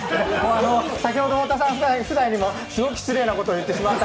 先ほど太田夫妻にもすごく失礼なことを言ってしまって。